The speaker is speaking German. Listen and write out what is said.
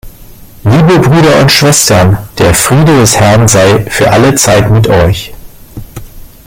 Liebe Brüder und Schwestern, der Friede des Herrn sei für alle Zeit mit euch.